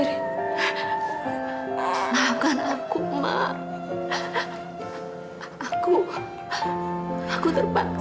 a'a yang salah